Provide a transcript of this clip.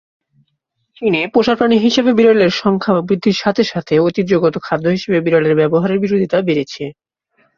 চীনে পোষা প্রাণী হিসেবে বিড়ালের সংখ্যা বৃদ্ধির সাথে সাথে ঐতিহ্যগত খাদ্য হিসেবে বিড়ালের ব্যবহারের বিরোধিতা বেড়েছে।